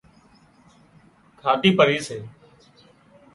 کاڌي پري سي